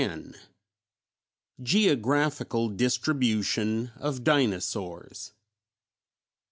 GEOGRAPHICAL DISTRIBUTION OF DINOSAURS.